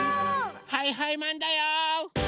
はいはいマンだよ！